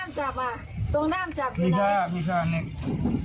นะครับในที่ผมขึ้นไปดูว่ามันมีแต่ตัวมีดแต่ด้ามมันไม่มี